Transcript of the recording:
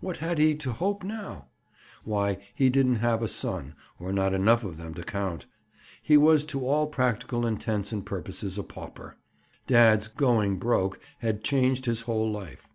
What had he to hope now? Why, he didn't have a son, or not enough of them to count. He was to all practical intents and purposes a pauper. Dad's "going broke" had changed his whole life.